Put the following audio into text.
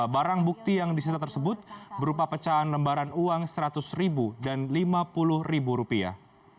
barang bukti yang disita tersebut berupa pecahan lembaran uang seratus ribu dan lima puluh ribu rupiah